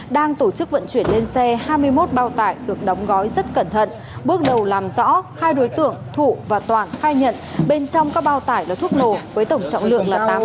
đang tổ chức vận chuyển lên xe hai mươi một bao tải được đóng gói rất cẩn thận bước đầu làm rõ hai đối tượng thụ và toản khai nhận bên trong các bao tải là thuốc nổ với tổng trọng lượng là tám mươi